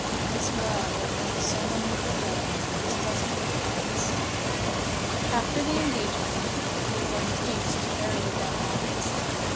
This well where drank so many of the dead was destined to die itself. After the engagement, they were in haste to bury the dead bodies.